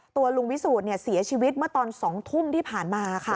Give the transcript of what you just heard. ตัวลุงวิสูจน์เสียชีวิตเมื่อตอน๒ทุ่มที่ผ่านมาค่ะ